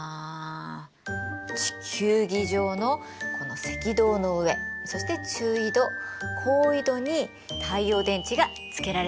地球儀上のこの赤道の上そして中緯度高緯度に太陽電池がつけられています。